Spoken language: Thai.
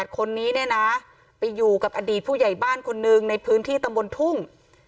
คนนี้เนี่ยนะไปอยู่กับอดีตผู้ใหญ่บ้านคนหนึ่งในพื้นที่ตำบลทุ่ง